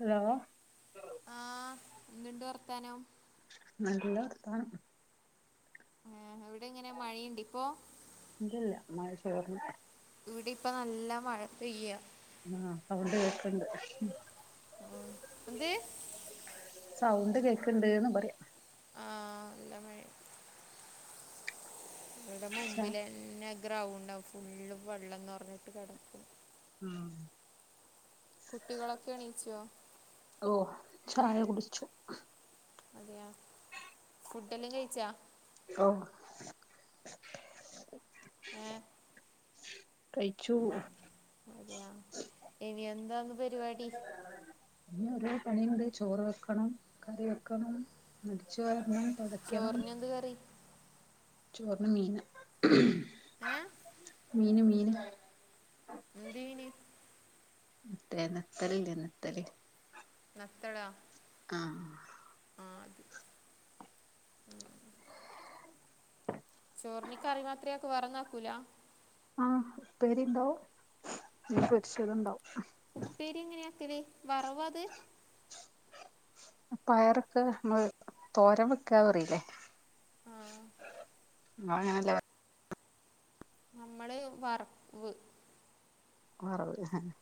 Hello ആഹ് എന്തുണ്ട് വർത്താനോം നല്ല വർത്താനം ഏഹ് ഇവിടെ ങ്ങനെ മഴയുണ്ട് ഇപ്പോ ഇല്ലല്ല മഴ ചോർന്ന് ഇവിടി ഇപ്പ നല്ല മഴ പെയ്യ ആഹ് സൗണ്ട് കേക്ക്ണ്ട് ഉം എന്ത് സൗണ്ട് കേക്ക്ണ്ട്ന്ന് പറയാ ആഹ് ല്ല മഴ ഇവിടെ ച്ചാ മുമ്പിലന്നെ ഗ്രൗണ്ട് ഫുള്ള് വെള്ളം നർഞ്ഞിട്ട് കെടക്ക ഉം കുട്ടികളൊക്കെ എണീച്ചോ ഓഹ് ചായ കുടിച്ചു അതെയാ ഫുഡെല്ലാം കഴിച്ചാ ഓഹ് ഏഹ് കഴിച്ചു അതെയാ ഇനി എന്താന്ന് പരിപാടി ഇനി ഒരോ പണിയുണ്ട് ചോറ് വെക്കണം, കറി വെക്കണം, അടിച്ചുവാരണം, തൊ ചോർനെന്ത് കറി ചോർന് മീന് ഏഹ് മീന് മീന് എന്ത്‌ മീന് മറ്റേ നത്തല് ല്ലേ നത്തല് നത്തളാ ആഹ് ആഹ് അത് ഉം ചോർന് കറി മാത്രയാക്ക വേറന്നാക്കൂല ആഹ് ഉപ്പേരിണ്ടാവും. മീൻ പൊര്ച്ചതുണ്ടാവും ഉപ്പേരി എങ്ങനെയാ ആക്കല് വറവാ അത് പയറൊക്കെ നമ്മ തോരൻ വെക്കാ പറില്ലേ ആഹ് ഇങ്ങളങ്ങനല്ലേ പ നമ്മള് വർവ് വർവ് അതെന്നെ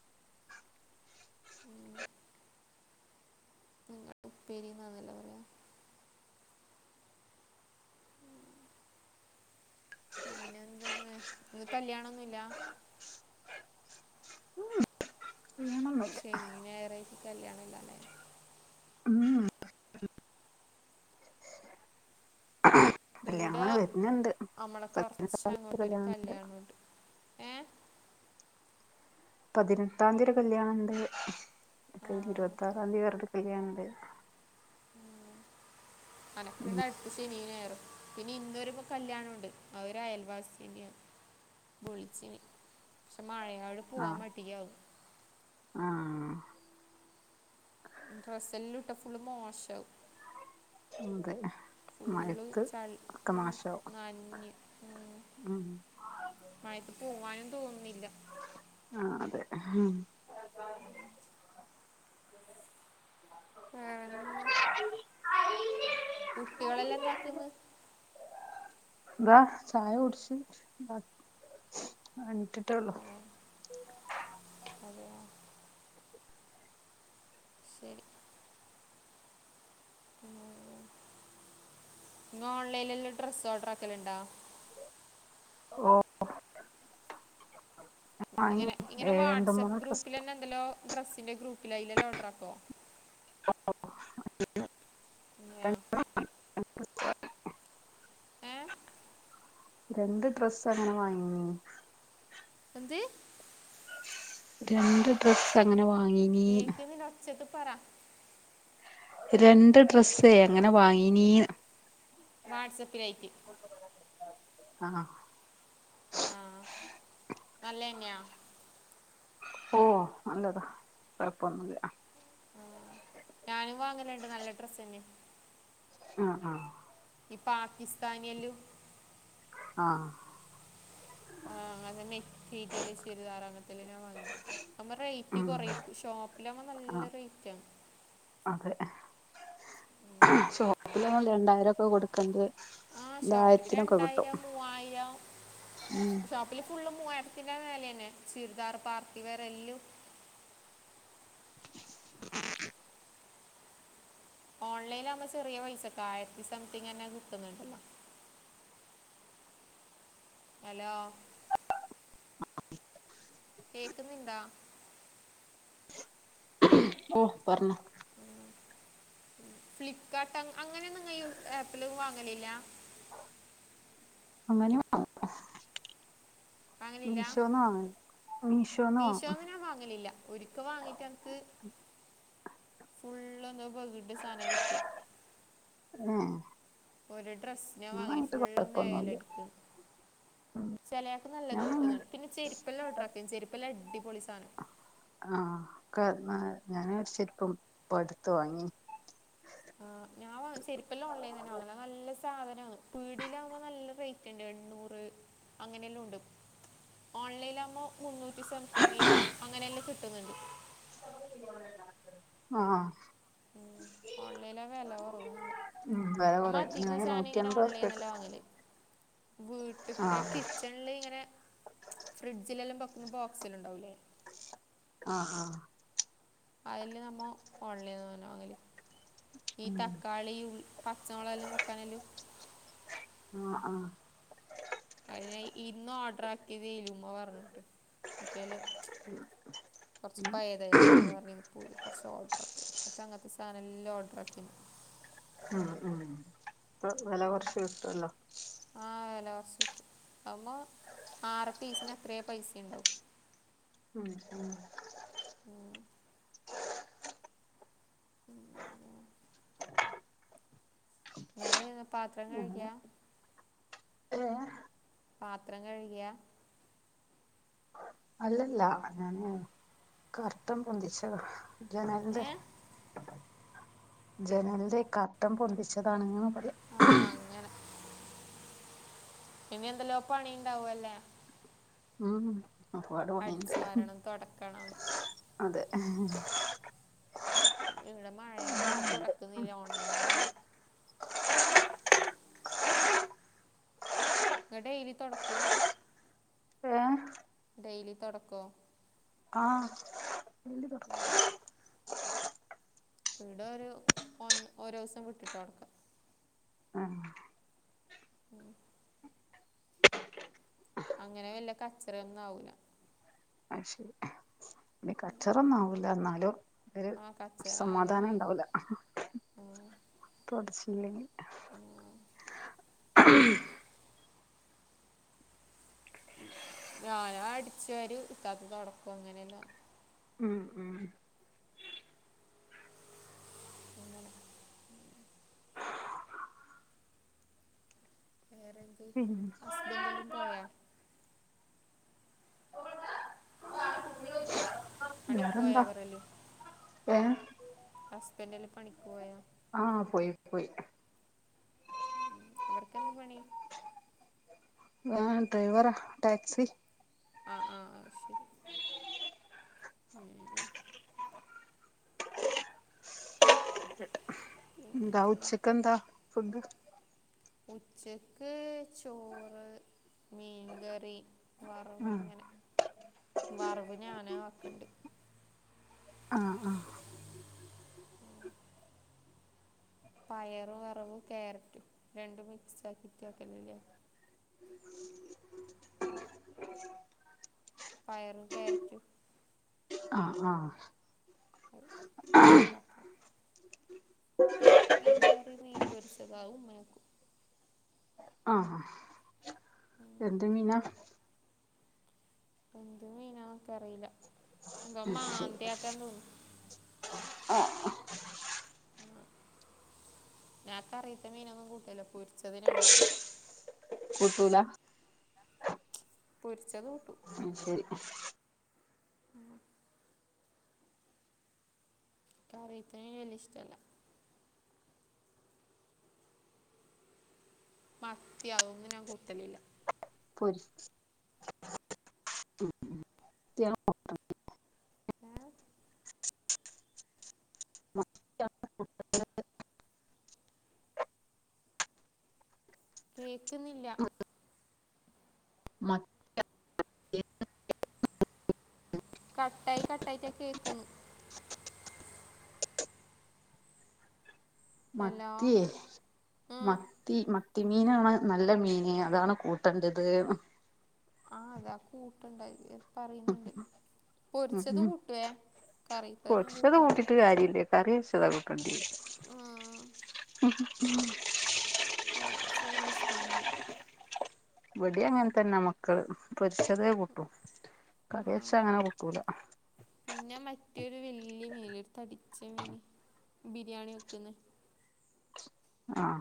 ഉം നിങ്ങ ഉപ്പേരിന്നാന്നല്ല പറയാ പിന്നെന്തെന്ന് ഇന്ന് കല്യാണന്നുല്ല അങ്ങനൊന്നുല്ല ശനി, ഞായർ ആയിട്ട് കല്യാണ ഇല്ലാല്ലേ ഉം കല്യാണം ഈടാ വരുന്നുണ്ട് അമ്മളെ കൊർച്ച് അങ്ങോട്ടൊരു കല്യാണം കല്യാണോണ്ട് ഏഹ് പതിനെട്ടാംതി ഒരു കല്യാണണ്ട്. അത് ആ കയിഞ്ഞ് ഇരുവത്തറാന്തി വേറൊരു കല്യാണണ്ട് അനക്ക്ണ്ട് അടുത്ത ശനിം ഞായറും പിന്നെ ഇന്നോരു കല്യാണംണ്ട് ആ ഒരു അയൽവാസിന്റെന്ന് ബുൾച്ചിനി. പക്ഷെ മഴയാട് പോവാൻ ആഹ് മടിയാ ആഹ് ഡ്രസ്സ് എല്ലാം ഇട്ട ഫുള്ള് മോശാവും 'ഉം തെ ഫുള്ള് ചൾ ഉം നഞ്ഞ് ഉം മയത്ത് പോവാനും തോന്നിണ്ല്ല ആഹ് അതെ ഉം [inaudible] [unintelligible] കുട്ടികളെല്ലാം എന്താക്ക്ന്ന്? ഇതാ ചായ കുടിച്ച് ഇതാക്ക്ന്ന് എണീറ്റിട്ടേ ഒള്ളു. ഓ, അതെയോ ശരി. [unintelligible] ഇങ്ങ ഓൺലൈനിലല്ലോ ഡ്രസ്സ് ഓഡറാക്കല്ണ്ടോ? ഓഹ് ഇങ്ങനെ ഇങ്ങനെ മൂന്ന് വാട്സആപ്പ് ഡ്രസ് ഗ്രൂപ്പിലന്നെ ഇണ്ടലോ ഡ്രസ്സിന്റെ ഗ്രൂപ്പിലയില്ലെല്ലോ ഓഡ്രാക്കൊ? ഓഡ്രാക്കും [inaudible] [unintelligible] [inaudible] ഏഹ്? രണ്ട് ഡ്രസ്സ് അങ്ങനെ വാങ്ങീനി എന്ത്? രണ്ട് ഡ്രസ്സ് അങ്ങനെ വാങ്ങീനീന്ന് കേൾക്കുന്നില്ല ഒച്ചത്ത് പറ രണ്ട് ഡ്രസ്സെ അങ്ങനെ വാങ്ങീനീന്ന് വാട്സപ്പിലായിറ്റ് ആഹ് ആഹ് നല്ലെന്യ? ഓഹ് നല്ലതാ കൊഴപ്പൊന്നുല്ല. ഉം ഞാനും വാങ്ങല്ണ്ട് നല്ല ഡ്രസ്സ്ന്നെ ആഹ് ആഹ് ഈ പാക്കിസ്ഥാനിയെല്ലും. ആഹ്. ആഹ് അങ്ങനെ തന്നെ [unintelligible] ചുരിദാർ അങ്ങൻത്തെല്ലാം ഞാൻ വാങ്ങിട്ട് അപ്പം റെയ്റ്റ് ഉം കൊറയും ഷോപ്പിലാവുമ്പം ആഹ് നല്ല റെയ്റ്റ അതെ. ഉം ഷോപ്പിലാവും രണ്ടായിരം ഒക്കെ കൊടുക്കെണ്ട്യെ ആഹ് ഷോപ്പില് രണ്ടായിരം മൂവായിരം ഷോപ്പില് ഫുള്ള് മൂവായിര ത്തിന്റെ മേലയന്നെ ചുരിദാർ പാർട്ടി വെയർ എല്ലും [inaudible] ഓൺലൈനിലാവുമ്പോ ചെറിയ പൈസക്ക ആയിരത്തി സംതിങ് തന്നെ കിട്ടുന്നുണ്ടല്ലോ? ഹലോ കേക്കുന്നിണ്ടാ? ഓഹ് പർഞ്ഞൊ ഉം ഫ്ലിപ്പ്കാർട്ട് അങ്ങ് അങ്ങനെയൊന്നും ഇങ്ങയി ആപ്പില് വാങ്ങലില്ല? അങ്ങനിം വാങ്ങും വാങ്ങലില്ല? മീഷോന്ന് വാങ്ങും മീശോന്ന് ഞാൻ വാങ്ങലില്ല ഒരി ക്കെ വാങ്ങിട്ട് എനക്ക് ഫുള്ള് എന്തോ പക്ട് സാന കിട്ട്യേ തന്നെ ഒരു ഡ്രസ്സ് ഞാൻ വങ്ങിയിനി ഫുള്ളും കൊഴപ്പൊന്നുല്ല നെഴലടിക്കും ചെലേപ്പം നല്ലത് ഞാൻ കിട്ടും വാങ്ങി ഇ പിന്നെ ചെരുപ്പല്ലാം ഓഡ്രാക്ക ചെരുപ്പെല്ലാം അടിപൊളി. സാനം ആഹ് ക്കെ ഞാന ചെരിപ്പ് ഇപ്പൊ അടുത്ത് വാങ്ങി. ആ ഞാൻ ചെരിപ്പല്ലാംഓൺലൈൻന്നനെ നല്ല സാധനണ് പീടിയിലാവുമ്പോ നല്ല റേ. റ്റണ്ട് എണ്ണൂർ അങ്ങനെയെലോം ഉണ്ട്‌ ഓൺലയ്ലാവുമ്പോ. മുന്നു സംതിങ് അങ്ങനെയെല്ലാം കിട്ടുന്നുണ്ട്. ആഹ്. ഉ ഓൺലൈന വെല കുറവാ നല്ലേ. ഉം വെല അമ്മ കൊറ അധികാേ ഞാന് നൂറ്റി സാനിങ്ങനെ അൻപത് ഉറുപ്യക്ക് ഓൺലൈന്നെല്ലാ വാങ്ങല് വീട്ട്ത്തെ ആഹ് കിച്ചൺലിങ്ങനെ ഫ്രിഡ്ജിലെല്ലാം ബെക്ക്ന്ന ബോക്സെല്ലിണ്ടാവൂല്ലേ അഹ് അഹ് അഎല്ല നമ്മൊ ഓൺലൈൻന്ന് തന്നാ വാങ്ങല് ഈ ഉം തക്കാളി ഉ പച്ചമൊളെല്ലോ വെക്കാനയ്ല് ആഹ് ആഹ് അത് ഞാ ഇന്ന് ഓർഡറാക്കിയതേലുമ്മ പറഞ്ഞിട്ട് മറ്റേലും കൊറച്ച് പയേതായ് ഉമ്മ പറഞ്ഞ് ഇത് പോയി കൊറച്ചൊഡറാക്ക് മറ്റങ്ങത്തെ സാനെല്ലാ ഓഡറാക്കിന് ഉം ഉം ഇപ്പ വെല കൊറച്ച് കിട്ടുവല്ലോ ആ വെല കൊറച്ച് കിട്ടും ആവുമ്പോ ആറ് പീസിന് അത്രയെ പൈസിണ്ടാവു ഉം ഉം ഉം പിന്നെന്നാ [unintelligible] പാത്രം അങ്ങനെ കഴിക്യ ഏഹ് പാത്രം കഴികയാ അല്ലല്ല ഞാന് കർട്ടൻ പൊന്തിച്ചതാ ഏ ജനൽന്റെ ജനൽന്റെ കർട്ടൻ പൊന്തിച്ചതാണെന്ന് പറയ ആ അങ്ങനെ ഇനിയെന്തെല്ലോ പണിണ്ടാവും അല്ലേ ആ ഒരുപാട് പണീണ്ട് അടിച്ചു വരണം തുടക്കണം അതെ ഹ് ഈട മഴയായൊടിന്ന് തൊടക്ക്ന്നില്ല ഉണങ്ങൂല നിങ്ങ ഡെയ്ലി തൊടക്കു പേ ഡെയിലി തൊടക്കോ ആഹ് ഡെയ്ലി തൊടക്കും പിന്നെ ഈടാരു ഒന്ന് ഒരോസം വിട്ടിട്ട തൊടക്കാ ആ ഹ് ഉം അങ്ങനെ വെല്യ കച്ചറയൊന്നും ആവൂല്ല അയ് ശെരി ഇന്റെ കച്ചറൊന്നും ആഊല എന്നാലും ഒര് ആ കച്ചറ ആയനെ സമാധാനിണ്ടാവൂല തൊടച്ചില്ലെങ്കി [unintelligible] ആഹ് ഞാനാടിച്ച് വാരി ഇത്താത്ത തൊടക്കൊങ്ങനെയെല്ലാ ഉം ഉം [inaudible] വേറെന്ത് പിന്നെ ഹസ്ബന്റെല്ലും പോയാ പണിക്ക് പോയാ വേറെന്താ അവറെല്ലു ഏ ഹസ്ബന്റെല്ലൊ പണിക്ക് പോയ ആഹ് പോയി പോയി ഉം അവർക്കെന്ത് പണി ആഹ് ഡ്രൈവറാ ടാക്സി ആഹ് ആഹ് അയ് ശെരി ഉം എന്താ ഇത് ഉച്ചക്കെന്താ ഫുഡ് ഉച്ചക്ക് ചോറ് മീൻകറി ആഹ് വറവങ്ങനെ വറവ് ഞാന ആക്കണ്ട് ആഹ് ആഹ് പയറ് വറവും ക്യാരറ്റും രണ്ടും മിക്സാക്കിട്ട് ആക്കലില്ലേ പയറും ക്യാരറ്റും അഹ് ആഹ് അത് അതാക്ക പിന്നെ മീൻകറി മീൻ പൊരിച്ചത് അതുമ്മ ആക്കും ആഹ് എന്ത് മീനാ എന്ത് മീനാന്ന് എനക്ക് അറിയില്ല എന്തോ മാന്തിയാറ്റാന്ന് തോന്നു ആഹ് ആഹ് ഞാൻ കറി വെച്ച മീനൊന്നും കൂട്ടൂല്ല പൊരിച്ചതിനാ കൂട്ടും കൂട്ടൂലാ പൊരിച്ചത് കൂട്ടും ഉം ശരി കറിവെക്കണെ വല്ല്യ ഇഷ്ടല്ല മത്തിയാ അതൊന്നും ഞാൻ കൂട്ടലില്ല. പൊരിച്ച് [unintelligible] [unintelligible] ഏഹ് മ കേക്ക്ന്നില്ല മ [inaudible] കട്ടായി കട്ടായ്ട്ടാ കേ‌ക്കിന്ന് ഹലോ മത്തിയേ മ ആ ത്തി മത്തി മീനാണ് നല്ല മീന് അതാണ് കൂട്ടണ്ടത് ആഹ് അതാ കൂട്ടണ്ടത് പറയുന്നിണ്ട് ഉം പൊരിച്ചത് ഉം കൂട്ടുവേ കറിയിപ്പ ഞാൻ കൂട്ടാറില്ല. കാര്യില്ല കറിവെച്ചതാ കൂട്ടണ്ട്യേ ആഹ് [unintelligible] വല്ല്യ ഇഷ്ടൊന്നു അല്ല ഇവടേം അങ്ങനെ തന്ന മക്കള് പൊരിച്ചതേ കൂട്ടൂ കറി വെച്ചാ അങ്ങനെ കൂട്ടൂല പിന്നെ മറ്റൊരു വലിയ മീനില്ലെ ഒര് തടിച്ച മീന് ബിരിയാണി വെക്കുന്ന ആഹ്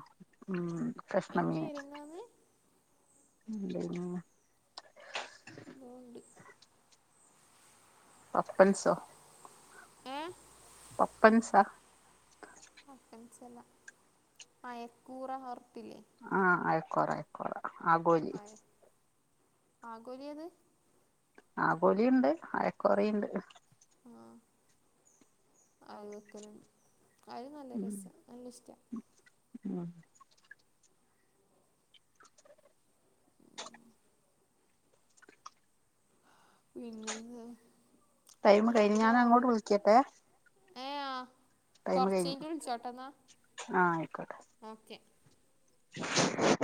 ഉം കഷ്ണം അയിന്റെ മീന് [inaudible] പേരെന്താന്ന് [unintelligible] പപ്പൻസൊ ഏഹ് പപ്പൻസാ പപ്പൻസല്ല അയക്കൂറ [unintelligible] ആഹ് അയക്കൂറ അയക്കൂറ ആഗോലി ആഗോലിയ അത് ആഗോലി ഇണ്ട് അയക്കൂറെം ഇണ്ട് ആഹ് ആഗോക്കല് അത് നല്ല രസാ നല്ല ഇഷ്ടാ ആഹ് പിന്നെന്താ ടൈം കഴിഞ്ഞ് ഞാന് അങ്ങോട്ട് വിളിക്കട്ടെ ഏഹ് ആഹ് ടൈം കഴിഞ്ഞു ആഹ് അയിക്കോട്ടെ ഓക്കെ [inaudible]